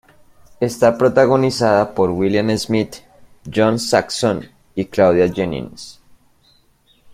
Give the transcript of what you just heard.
Está protagonizada por William Smith, John Saxon y Claudia Jennings.